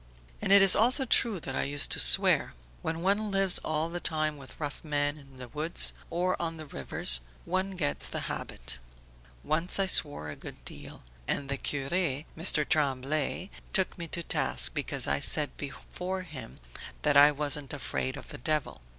"And it is also true that I used to swear. When one lives all the time with rough men in the woods or on the rivers one gets the habit. Once I swore a good deal, and the cure, Mr. Tremblay, took me to task because I said before him that I wasn't afraid of the devil.